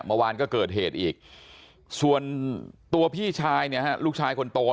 เมื่อวานก็เกิดเหตุอีกส่วนพี่ชายลูกชายคนโต